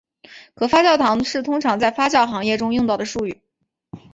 可发酵糖是通常在发酵行业用到的术语。